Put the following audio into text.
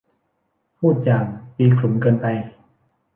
พูดอย่างตีขลุมเกินไป